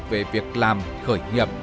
về việc làm khởi nghiệp